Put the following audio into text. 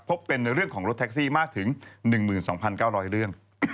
เป็นเรื่องของรถแท็กซี่มากถึง๑๒๙๐๐เรื่อง